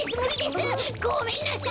ごめんなさい！